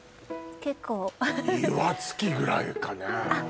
結構岩槻ぐらいかねあっ